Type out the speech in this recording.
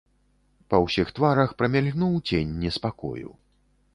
Па ўсіх тварах прамільгнуў цень неспакою.